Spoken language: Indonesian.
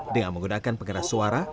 dengan menggunakan penggeras suara